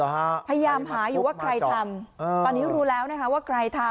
มันทำหาอยู่ว่าใครทำปันนี้รู้แล้วนะคะว่าใครทำ